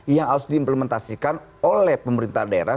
yang harus diimplementasikan oleh pemerintah daerah